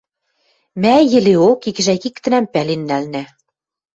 Мӓ йӹлеок икӹжӓк-иктӹнӓм пӓлен нӓлнӓ.